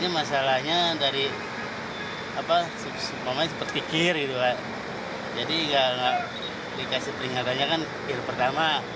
masalahnya tadi apa seperti kikir gitu kan jadi nggak dikasih peringatannya kan kikir pertama